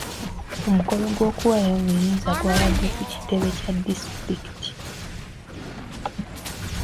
Omukolo gw'okuwaayo obuyinza gw'abadde ku kitebe kya disitulikiti.